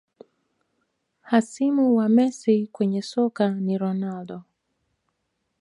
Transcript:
Hasimu wa Messi kwenye soka ni Ronaldo